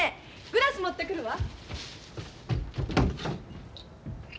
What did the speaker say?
グラス持ってくるわ。